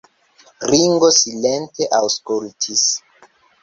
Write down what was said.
Ringo silente aŭskultis.